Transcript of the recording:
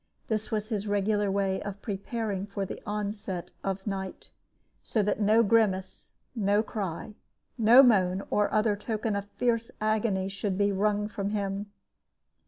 This was his regular way of preparing for the onset of the night, so that no grimace, no cry, no moan, or other token of fierce agony should be wrung from him.